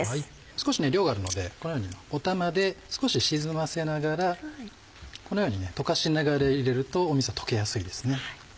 少し量があるのでおたまで少し沈ませながらこのように溶かしながら入れるとみそ溶けやすいですね。